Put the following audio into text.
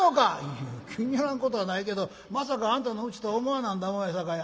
「いえ気に入らんことはないけどまさかあんたのうちとは思わなんだもんやさかい」。